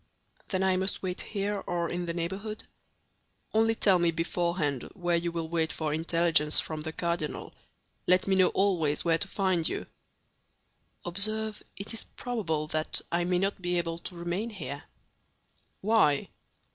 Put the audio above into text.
"Then I must wait here, or in the neighborhood?" "Only tell me beforehand where you will wait for intelligence from the cardinal; let me know always where to find you." "Observe, it is probable that I may not be able to remain here." "Why?"